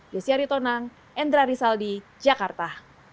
desyari tonang endra rizaldi jakarta